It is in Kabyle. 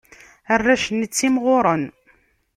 Arrac-nni ttimɣuren.